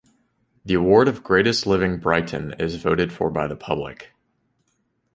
The award of Greatest Living Briton is voted for by the public.